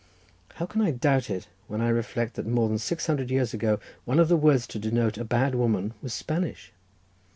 How can I doubt it? when I reflect that more than six hundred years ago, one of the words to denote a bad woman was Spanish.